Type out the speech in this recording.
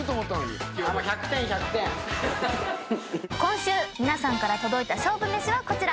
今週皆さんから届いた勝負めしはこちら。